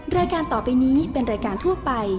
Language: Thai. รายการต่อไปนี้เป็นรายการทั่วไป